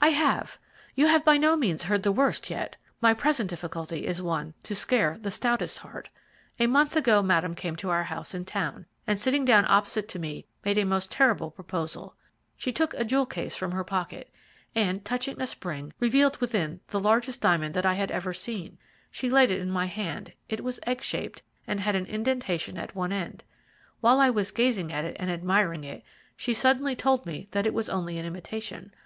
"I have. You have by no means heard the worst yet. My present difficulty is one to scare the stoutest heart. A month ago Madame came to our house in town, and sitting down opposite to me, made a most terrible proposal. She took a jewel case from her pocket, and, touching a spring, revealed within the largest diamond that I had ever seen. She laid it in my hand it was egg shaped, and had an indentation at one end. While I was gazing at it, and admiring it, she suddenly told me that it was only an imitation.